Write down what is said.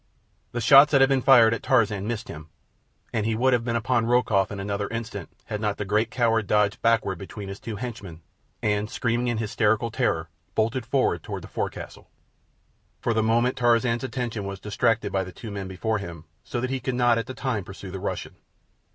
The shots that had been fired at Tarzan missed him, and he would have been upon Rokoff in another instant had not the great coward dodged backward between his two henchmen, and, screaming in hysterical terror, bolted forward toward the forecastle. For the moment Tarzan's attention was distracted by the two men before him, so that he could not at the time pursue the Russian.